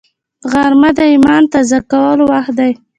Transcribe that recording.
غرمه د ایمان تازه کولو وخت دی